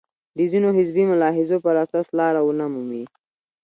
د ځینو حزبي ملاحظو پر اساس لاره ونه مومي.